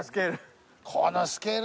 このスケールだな。